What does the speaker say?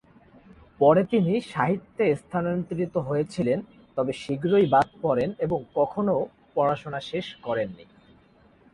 পরে তিনি সাহিত্যে স্থানান্তরিত হয়েছিলেন তবে শীঘ্রই বাদ পড়েন এবং কখনও পড়াশোনা শেষ করেননি।